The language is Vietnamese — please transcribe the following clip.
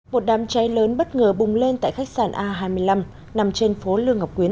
một đám cháy lớn bất ngờ bùng lên tại khách sạn a hai mươi năm nằm trên phố lương ngọc quyến